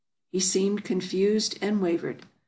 He seemed confused, and wavered.